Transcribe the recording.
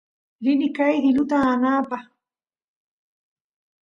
rini qeey iluta aanapaq